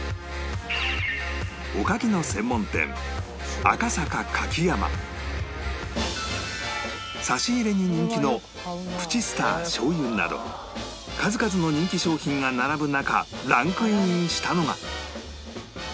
おかきの専門店差し入れに人気のプチスター醤油など数々の人気商品が並ぶ中ランクインしたのが